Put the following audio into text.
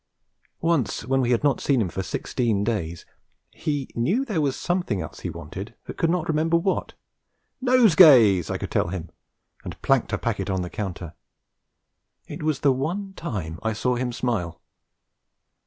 Once, when we had not seen him for sixteen days, he knew there was something else he wanted but could not remember what. 'Nosegays!' I could tell him, and planked a packet on the counter. It was the one time I saw him smile.